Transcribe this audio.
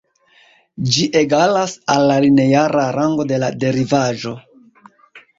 Ĝi egalas al la lineara rango de la derivaĵo.